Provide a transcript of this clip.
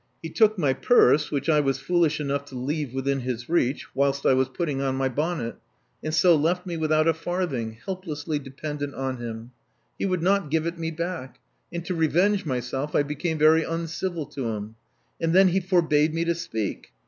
He took my purse, which I was foolish enough to leave within his reach whilst I was putting on my bonnet, and so left me without a far thing, helplessly dependent on him. He would not give it me back; and to revenge myself I became very uncivil to him ; and then he forbade me to speak.